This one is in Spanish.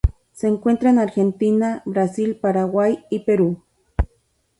Se encuentra en Argentina, Brasil, Paraguay y Perú.